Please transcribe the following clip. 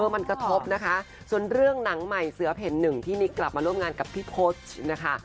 มันกระทบนะคะส่วนเรื่องหนังใหม่เสือเพ่นหนึ่งที่นิกกลับมาร่วมงานกับพี่โพสต์นะคะ